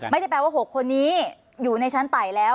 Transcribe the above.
ไม่ได้แปลว่า๖คนนี้อยู่ในชั้นไต่แล้ว